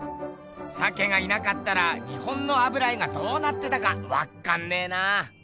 鮭がいなかったら日本の油絵がどうなってたかわっかんねえな。